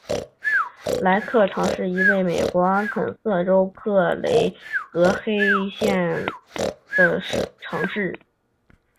莱克城是一个位于美国阿肯色州克雷格黑德县的城市。